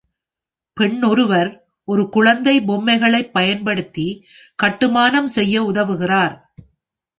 பெண் ஒருவர் ஒரு குழந்தை பொம்மைகளைப் பயன்படுத்தி கட்டுமானம் செய்ய உதவுகிறார்.